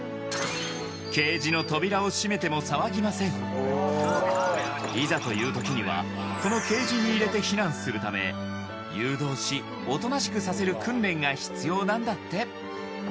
ケージのいざという時にはこのケージに入れて避難するため誘導しおとなしくさせる訓練が必要なんだって